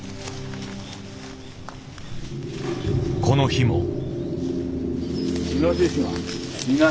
この日も。